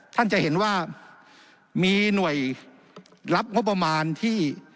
ท่านจะเห็นว่ามีหน่วยรับงบประมาณที่